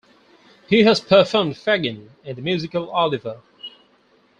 He has performed Fagin in the musical Oliver!